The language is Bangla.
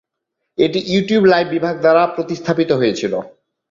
এটি ইউটিউব লাইভ বিভাগ দ্বারা প্রতিস্থাপিত হয়েছিল।